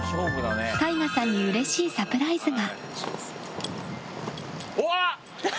ＴＡＩＧＡさんにうれしいサプライズが。